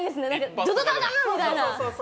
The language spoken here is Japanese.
ドドドドドンみたいな。